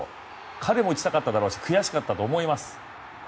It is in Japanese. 彼も打ちたかっただろうし悔しかったと思います。